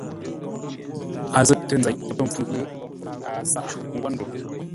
A zətə nzeʼ tə pə́ mpfu-ngwʉ̂, a zaʼa ńgwó ndo.